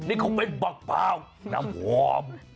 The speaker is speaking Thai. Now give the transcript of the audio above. นี่คงเป็นบัตรบ้าวน้ำหวอม